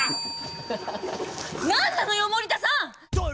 何なのよ森田さん！